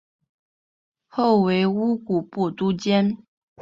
后为乌古部都监。